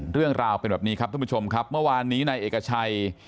เรื่องราวเป็นแบบนี้ครับท่านผู้ชมครับเมื่อวานนี้นายเอกชัย